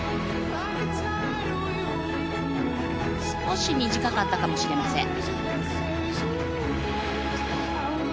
少し短かったかもしれません。